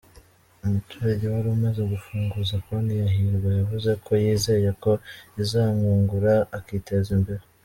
Umuturage wari umaze gufunguza konti ya Hirwa, yavuze ko yizeye ko izamwungura akiteza imbere.